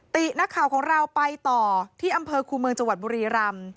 ตินักข่าวของเราไปต่อที่อำเภอคูเมืองจังหวัดบุรีรำ